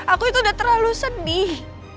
aku itu udah terlalu sedih